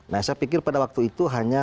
nah saya pikir pada waktu itu hanya